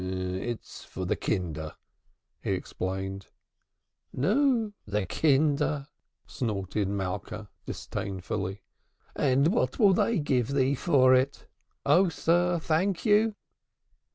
"It's for the kinder," he explained. "Nu, the kinder!" snorted Malka disdainfully. "And what will they give thee for it? Verily, not a thank you.